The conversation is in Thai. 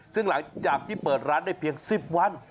ซึ่งหลังจากที่เปิดร้านได้เพียง๑๐วัน